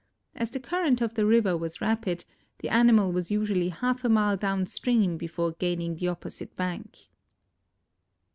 As the current of the river was rapid, the animal was usually half a mile down stream before gaining the opposite bank."